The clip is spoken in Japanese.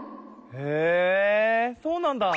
へえそうなんだ。